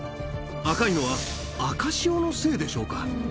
赤いのは赤潮のせいでしょうか。